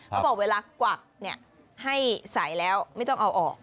เขาบอกเวลากวักให้ใส่แล้วไม่ต้องเอาออก